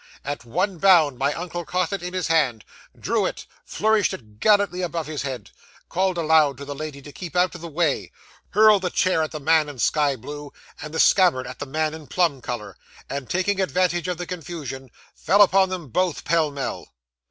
At one bound, my uncle caught it in his hand, drew it, flourished it gallantly above his head, called aloud to the lady to keep out of the way, hurled the chair at the man in sky blue, and the scabbard at the man in plum colour, and taking advantage of the confusion, fell upon them both, pell mell.